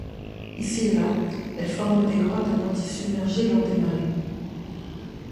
Ici et là, elles forment des grottes à moitié submergées lors des marées.